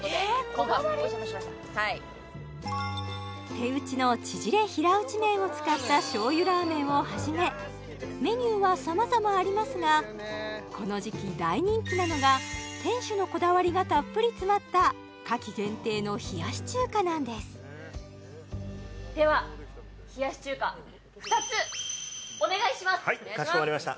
今回お邪魔しました手打ちのちぢれ平打ち麺を使った醤油ラーメンをはじめメニューはさまざまありますがこの時期大人気なのが店主のこだわりがたっぷり詰まった夏季限定の冷やし中華なんですでははいかしこまりました